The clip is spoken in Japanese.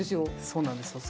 そうなんですよ。